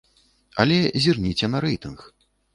Але зірніце на рэйтынг.